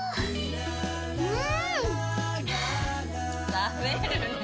食べるねぇ。